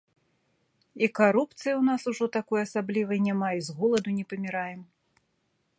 І карупцыі ў нас ужо такой асаблівай няма, і з голаду не паміраем.